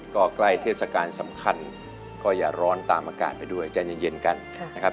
ก็ใกล้เทศกาลสำคัญก็อย่าร้อนตามอากาศไปด้วยใจเย็นกันนะครับ